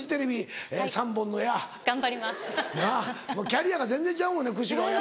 キャリアが全然ちゃうもんね久代。